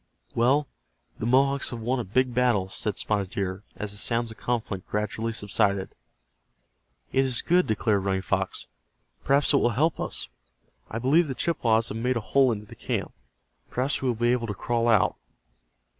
"Well, the Mohawks have won a big battle," said Spotted Deer, as the sounds of conflict gradually subsided. "It is good," declared Running Fox. "Perhaps it will help us. I believe the Chippewas have made a hole into the camp. Perhaps we will be able to crawl out."